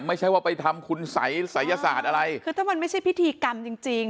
ไม่ใช่ว่าไปทำคุณสัยศัยศาสตร์อะไรคือถ้ามันไม่ใช่พิธีกรรมจริงจริง